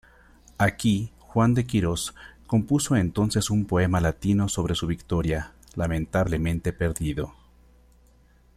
Aquí Juan de Quirós compuso entonces un poema latino sobre su victoria, lamentablemente perdido.